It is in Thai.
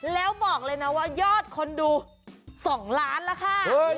แล้วบอกเลยนะว่ายอดคนดู๒ล้านแล้วค่ะ